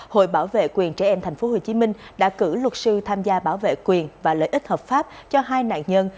hội bảo vệ quyền trẻ em tp hcm đã cử luật sư tham gia bảo vệ quyền và lợi ích hợp pháp cho hai nạn nhân